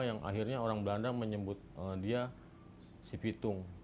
yang akhirnya orang belanda menyebut dia si pitung